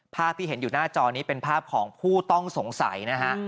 ภาพที่เห็นอยู่หน้าจอนี้เป็นภาพของผู้ต้องสงสัยนะฮะ